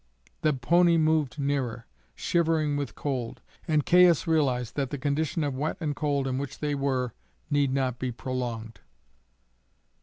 The pony moved nearer, shivering with cold, and Caius realized that the condition of wet and cold in which they were need not be prolonged.